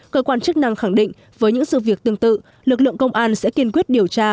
cơ quan chức năng khẳng định với những sự việc tương tự lực lượng công an sẽ kiên quyết điều tra